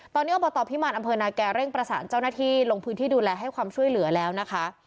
ตอนนี้อบตพิมารอำเภอนาแก่เร่งประสานเจ้าหน้าที่ลงพื้นที่ดูแลให้ความช่วยเหลือแล้วนะคะ